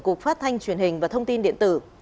cục phát thanh truyền hình và thông tin điện tử